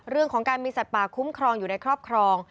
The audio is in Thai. เรื่องของการมีสัตว์ป่าคุ้มครองอยู่ในครอบครอง